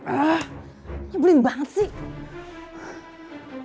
ah ini beli banget sih